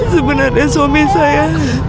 sebenarnya suami saya